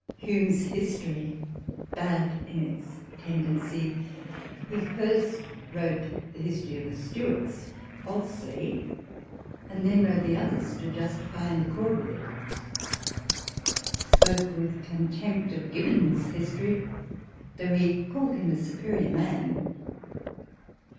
Hume's history bad in its tendency. He first wrote the History of the Stuarts falsely ; and then wrote the others to justify and accord with it. Spoke with contempt of Gibbon's history, though he called him a superior man.